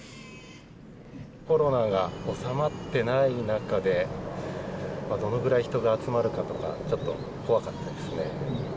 コロナが収まってない中で、どのくらい人が集まるかとか、ちょっと、怖かったですね。